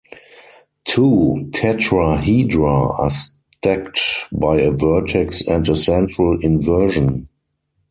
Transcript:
Two tetrahedra are stacked by a vertex and a central inversion.